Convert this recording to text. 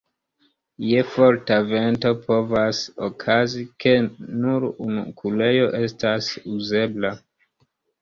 Je forta vento povas okazi, ke nur unu kurejo estas uzebla.